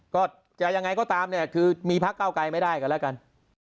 ก็จะยังไงก็ตามเนี่ยคือมีพักเก้าไกลไม่ได้กันแล้วกัน